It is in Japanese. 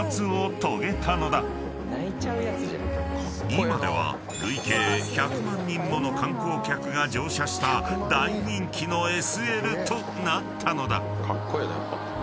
［今では累計１００万人もの観光客が乗車した大人気のＳＬとなったのだ］